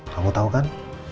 kamu tahu kan